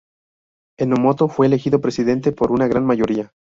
Enomoto fue elegido presidente por una gran mayoría.